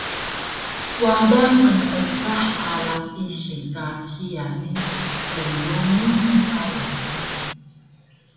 Wada qmeepah alang isil ka hiya ni lnglungun mu balay